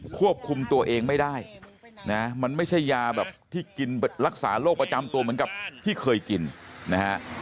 ควบคุมตัวเองไม่ได้นะมันไม่ใช่ยาแบบที่กินรักษาโรคประจำตัวเหมือนกับที่เคยกินนะฮะ